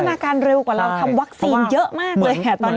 นาการเร็วกว่าเราทำวัคซีนเยอะมากเลยค่ะตอนนี้